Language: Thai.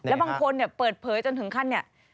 แล้วบางคนเปิดเผยจนถึงขั้นเนี่ย